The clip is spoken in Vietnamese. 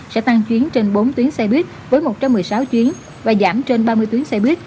sẽ tăng chuyến trên bốn tuyến xe buýt với một trăm một mươi sáu chuyến và giảm trên ba mươi tuyến xe buýt